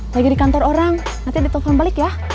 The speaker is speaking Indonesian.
lagi di kantor orang nanti ditelepon balik ya